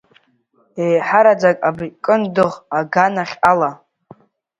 Еиҳараӡак абри Кындыӷ аганахь ала.